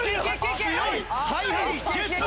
強いＨｉＨｉＪｅｔｓ。